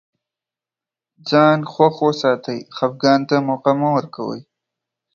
ځان خوښ وساتئ خفګان ته موقع مه ورکوی